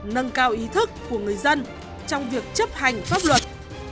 nâng cao ý thức của người dân trong việc chấp hành pháp luật